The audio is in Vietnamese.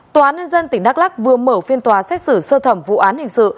tòa án nhân dân tỉnh đắk lắc vừa mở phiên tòa xét xử sơ thẩm vụ án hình sự